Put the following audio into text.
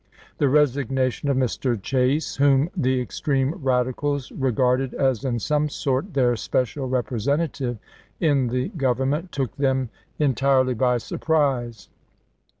The resignation of Mr. Chase, whom the extreme radicals regarded as in some sort their special representative in the Government, took them en tirely by surprise.